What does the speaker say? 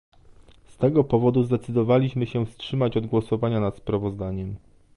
Z tego powodu zdecydowaliśmy się wstrzymać od głosowania nad sprawozdaniem